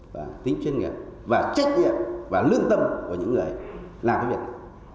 và tính chuyên nghiệp và trách nhiệm và lương tâm của những người làm cái việc này